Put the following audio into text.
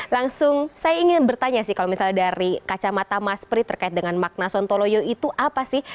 langsung saya ingin bertanya sih kalau misalnya dari kacamata mas pri terkait dengan makna sontoloyo itu apa sih